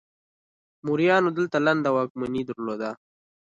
موریانو دلته لنډه واکمني درلوده